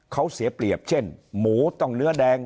เขาเสียเปรียบเช่นหมูต้องเนื้อแดง